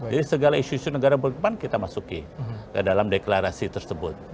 jadi segala isu isu negara berkembang kita masukin ke dalam deklarasi tersebut